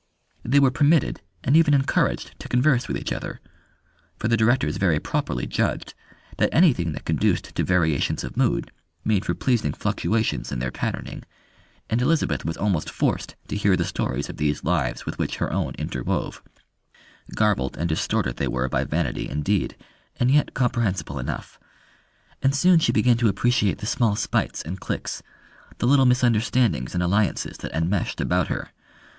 They were permitted, and even encouraged to converse with each other, for the directors very properly judged that anything that conduced to variations of mood made for pleasing fluctuations in their patterning; and Elizabeth was almost forced to hear the stories of these lives with which her own interwove: garbled and distorted they were by vanity indeed and yet comprehensible enough. And soon she began to appreciate the small spites and cliques, the little misunderstandings and alliances that enmeshed about her.